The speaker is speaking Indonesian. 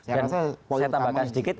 saya tambahkan sedikit